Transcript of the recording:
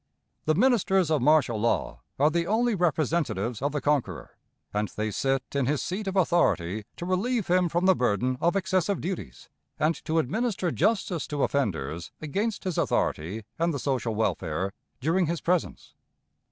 The ministers of martial law are only the representatives of the conqueror, and they sit in his seat of authority to relieve him from the burden of excessive duties, and to administer justice to offenders against his authority and the social welfare, during his presence.